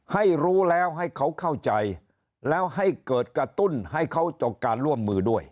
ให้รู้แล้วให้เขาเข้าใจแล้วให้เกิดกระตุ้นให้เขาต่อการร่วมมือด้วย